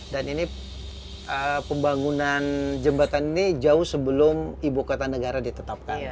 dan ini pembangunan jembatan ini jauh sebelum ibu kota negara ditetapkan